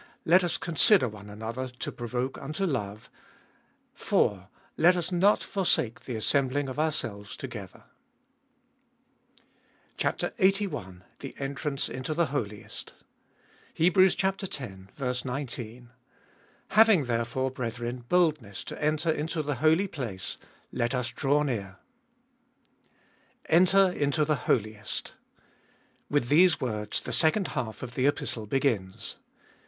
Let us consider one another to provoke unto love. 4. Let us not forsake the assembling of ourselves together. Tbolfest of 2UI 353 LXXXI. THE ENTRANCE INTO THE HOLIEST. X.— 19. Having therefore, brethren, boldness to enter into the Holy Place ; J 22. Let us draw near. Enter into the Holiest. With these words the second half of the Epistle begins.